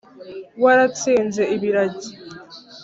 waratsinze ibiragi.